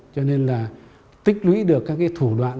cho nên là tích lũy được các cái thủ đoạn